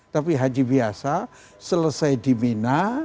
tapi haji biasa selesai di mina